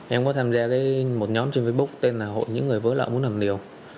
em có tham gia một nhóm trên facebook tên là hội những người vỡ nợ muốn làm liều